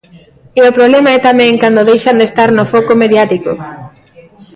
E o problema é tamén cando deixan de estar no foco mediático.